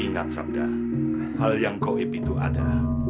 ingat sabda hal yang goib itu ada